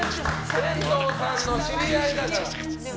天童さんの知り合いだから。